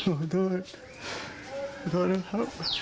ขอโทษนะครับ